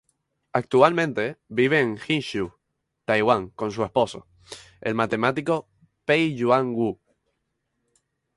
Actualmente, vive en Hsinchu, Taiwán con su esposo, el matemático Pei-yuan Wu.